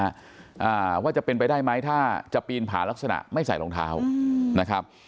อ่าว่าจะเป็นไปได้ไหมถ้าจะปีนผ่านลักษณะไม่ใส่รองเท้าอืมนะครับ